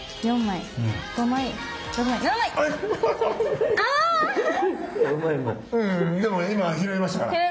でも今拾いましたから。